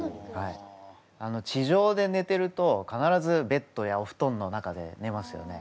地上でねてると必ずベッドやおふとんの中でねますよね。